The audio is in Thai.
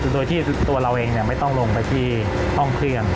โดยที่ตัวเราเองไม่ต้องลงไปที่ห้องเครื่อง